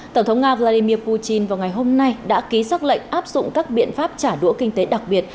tổng thống nga vladimir putin vào ngày hôm nay đã ký xác lệnh áp dụng các biện pháp trả đũa kinh tế đặc biệt